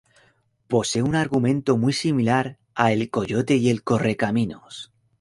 Posee un argumento muy similar a El Coyote y el Correcaminos.